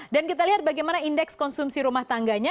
dan kita lihat bagaimana indeks konsumsi rumah tangganya